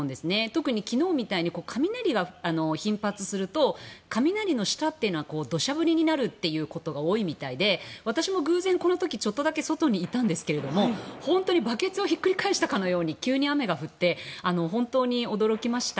特に昨日みたいに雷が頻発すると雷の下というのは土砂降りになるということが多いみたいで私も偶然、この時ちょっとだけ外にいたんですけど本当にバケツをひっくり返したかのように急に雨が降って本当に驚きました。